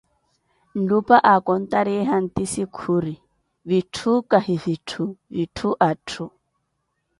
Nlupa akontariye hantisi khuri: vitthu kahi vitthu, vitthu atthu.